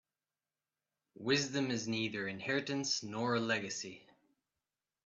Wisdom is neither inheritance nor a legacy.